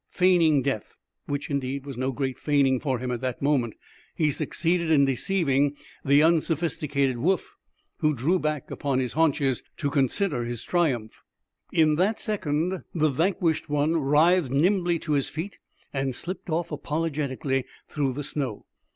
Feigning death, which, indeed, was no great feigning for him at that moment, he succeeded in deceiving the unsophisticated Woof, who drew back upon his haunches to consider his triumph. In that second the vanquished one writhed nimbly to his feet and slipped off apologetically through the snow.